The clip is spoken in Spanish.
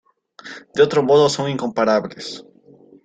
De otro modo son incomparables.